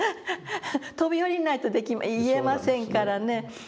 飛び降りないと言えませんからね。